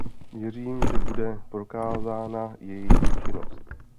Věřím, že bude prokázána jejich účinnost.